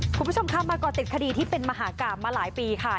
คุณผู้ชมคะมาก่อติดคดีที่เป็นมหากราบมาหลายปีค่ะ